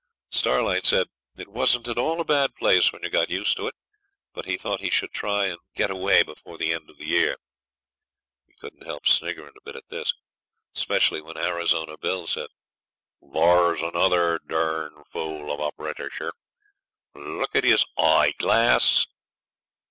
Starlight said it wasn't at all a bad place when you got used to it, but he thought he should try and get away before the end of the year. We couldn't help sniggerin' a bit at this, 'specially when Arizona Bill said, 'Thar's another durned fool of a Britisher; look at his eyeglass!